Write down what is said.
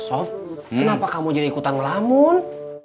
soft kenapa kamu jadi ikutan melamun